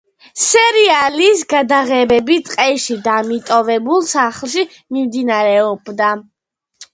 სერიალის გადაღებები ტყეში და მიტოვებულ სახლში მიმდინარეობდა.